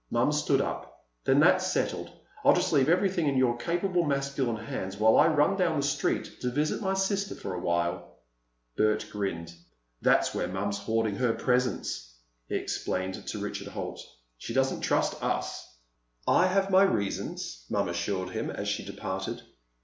Mom stood up. "Then that's settled. I'll just leave everything in your capable masculine hands, while I run down the street to visit with my sister for a while." Bert grinned. "That's where Mom's hoarding her presents," he explained to Richard Holt. "She doesn't trust us." "I have my reasons," Mom assured him as she departed.